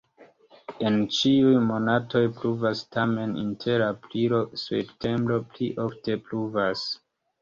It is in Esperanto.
En ĉiuj monatoj pluvas, tamen inter aprilo-septembro pli ofte pluvas.